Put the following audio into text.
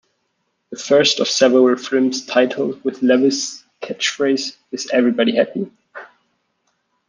The first of several films titled with Lewis' catchphrase, Is Everybody Happy?